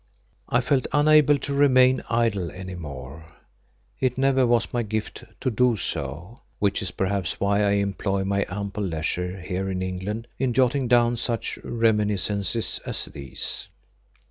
I felt unable to remain idle any more; it never was my gift to do so, which is perhaps why I employ my ample leisure here in England in jotting down such reminiscences as these.